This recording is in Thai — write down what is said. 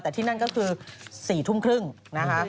แต่ที่นั่นก็คือ๔ทุ่มครึ่งนะคะ